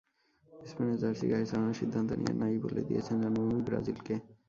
স্পেনের জার্সি গায়ে চড়ানোর সিদ্ধান্ত নিয়ে না-ই বলে দিয়েছেন জন্মভূমি ব্রাজিলকে।